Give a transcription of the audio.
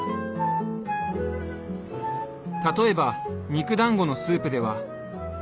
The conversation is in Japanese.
例えば肉だんごのスープでは。